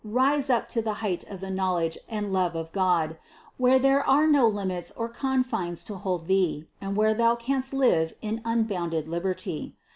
Rise up to the height of the knowledge and love of God, where there are no limits or confines to hold thee, and where thou canst live in unbounded liberty.